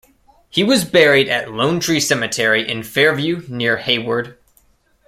He was buried at Lone Tree Cemetery in Fairview near Hayward.